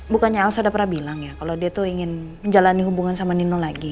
bukannya alsa sudah pernah bilang ya kalau dia tuh ingin menjalani hubungan sama nino lagi